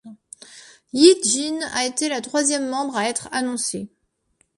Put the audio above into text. Ye-jin a été la troisième membre à être annoncée.